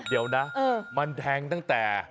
เดี๋ยวนะมันแทงตั้งแต่